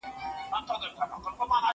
افغانانو د خپلو سرتېرو سره همکاري وکړه.